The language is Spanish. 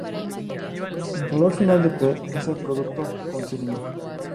El valor final de "P" es el producto con signo.